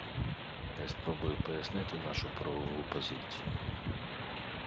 Я спробую пояснити нашу правову позицію.